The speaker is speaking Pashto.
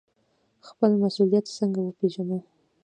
خپل مسوولیت څنګه وپیژنو؟